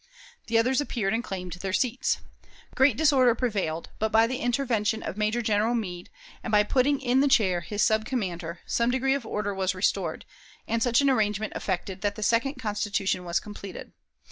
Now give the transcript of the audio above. The others appeared and claimed their seats. Great disorder prevailed, but by the intervention of Major General Meade, and by putting in the chair his sub commander, some degree of order was restored, and such an arrangement effected that the second Constitution was completed.